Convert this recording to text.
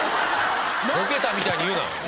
ボケたみたいに言うな。